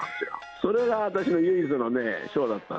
それが私の唯一の賞だったの。